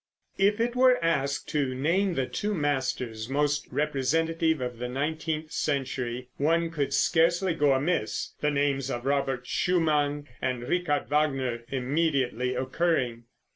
If it were asked to name the two masters most representative of the nineteenth century, one could scarcely go amiss, the names of Robert Schumann and Richard Wagner immediately occurring.